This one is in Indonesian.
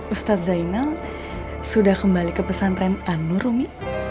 ustaz zainal sudah kembali ke pesantren anur umi